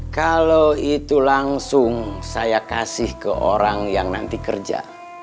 kalau itu langsung saya kasih ke orang yang nanti kerja